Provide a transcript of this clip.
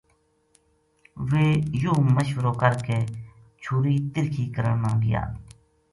ویہ یوہ مشورو کر کے چھُری تِرِکھی کرن نا گیا